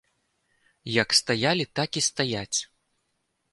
Як стаялі, так і стаяць.